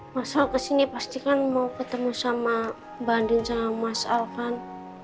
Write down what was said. mas al kesini pasti kan mau ketemu sama bandin sama mas al kan